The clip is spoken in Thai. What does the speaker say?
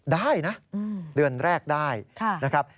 ได้นะเดือนแรกได้นะครับ